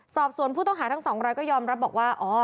สอบสวนผู้ต้องหาทั้งสองรายก็ยอมรับบอกว่า